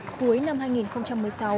cuối năm hai nghìn một mươi sáu